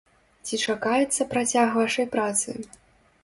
Ці чакаецца працяг вашай працы?